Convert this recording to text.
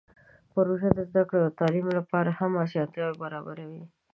پروژه د زده کړې او تعلیم لپاره هم اسانتیاوې برابروي.